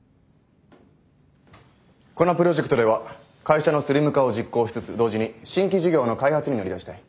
このプロジェクトでは会社のスリム化を実行しつつ同時に新規事業の開発に乗り出したい。